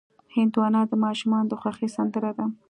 هندوانه د ماشومانو د خوښې سندره ده.